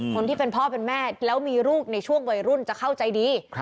คนที่เป็นพ่อเป็นแม่แล้วมีลูกในช่วงวัยรุ่นจะเข้าใจดี